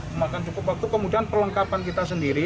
memakan cukup waktu kemudian perlengkapan kita sendiri